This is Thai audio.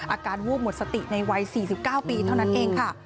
อาการวูบหมดสติในวัย๔๙ปีเท่านั้นเองค่ะ